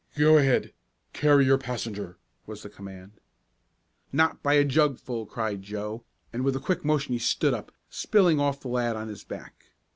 "Go ahead! Carry your passenger!" was the command. "Not by a jugful!" cried Joe, and with a quick motion he stood up, spilling off the lad on his back.